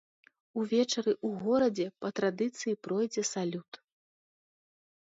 Увечары ў горадзе па традыцыі пройдзе салют.